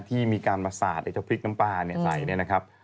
ที่มีการมาสาดไอ้เจ้าพริกน้ำปลาใส่เนี่ยนะครับ